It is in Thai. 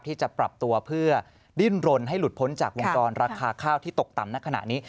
ที่จะปรับตัวเพื่อดิ้นรนให้หลุดพ้นจากวงจรราคาข้าวที่ตกต่ำในขณะนี้